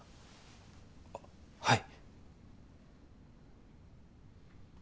あっはい。